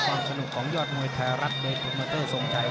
ความสนุกของยอดมวยไทยรัฐในกรุมเมอร์เตอร์ทรงไทย